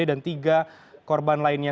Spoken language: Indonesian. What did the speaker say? dan tiga korban lainnya